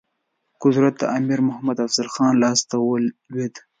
قدرت د امیر محمد افضل خان لاسته ولوېد.